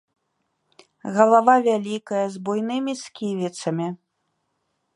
Галава вялікая, з буйнымі сківіцамі.